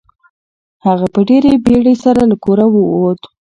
هغه په ډېرې بیړې سره له کوره ووت.